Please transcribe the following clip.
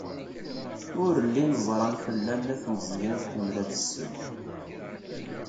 Ur llin ẓran Fella n At Meẓyan tḥemmel ad tesseww.